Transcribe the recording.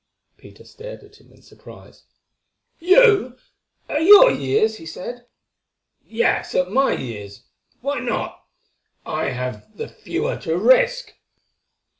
Peter stared at him in surprise. "You—at your years!" he said. "Yes, at my years. Why not? I have the fewer to risk."